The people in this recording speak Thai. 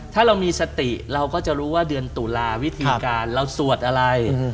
ถ้าเรามีสติเราก็จะรู้ว่าเดือนตุลาวิธีการเราสวดอะไร